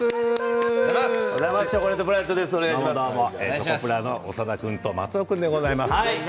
チョコプラの長田君と松尾君です。